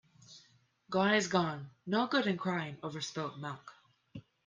Gone is gone. No good in crying over spilt milk.